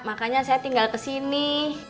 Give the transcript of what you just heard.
makanya saya tinggal kesini